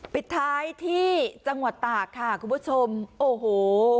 ปิดท้ายที่จังหวัดตากค่ะคุณผู้ชมโอ้โห